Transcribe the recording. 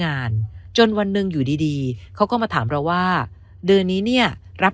งานจนวันหนึ่งอยู่ดีดีเขาก็มาถามเราว่าเดือนนี้เนี่ยรับ